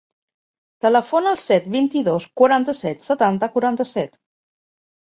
Telefona al set, vint-i-dos, quaranta-set, setanta, quaranta-set.